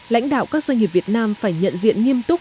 lãnh đạo các doanh nghiệp việt nam phải nhận diện nghiêm túc